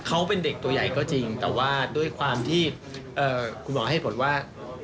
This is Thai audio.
เขาเป็นเด็กตัวใหญ่ก็จริงแต่ว่าด้วยความที่คุณหมอให้ผลว่า